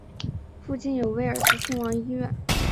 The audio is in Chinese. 附近有威尔斯亲王医院。